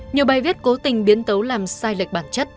nhiều bài viết cố tình biến tấu làm sai lệch bản chất